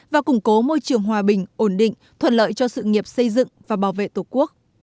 và củng cố môi trường hòa bình ổn định thuận lợi cho sự nghiệp xây dựng và bảo vệ tổ quốc